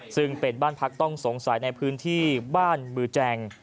ซึ่งเป็นบ้านพักต้องสงสัยในพื้นที่บ้านบือแจง